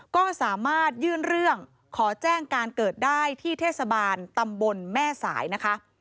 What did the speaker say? ก็สามารถยื่นเรื่องขอแจ้งการเกิดได้ที่เทศบาลตำบลแม่สายนะคะ